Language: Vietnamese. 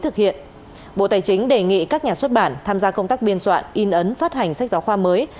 thực hiện bộ tài chính đề nghị các nhà xuất bản tham gia công tác biên soạn in ấn phát hành sách giáo khoa mới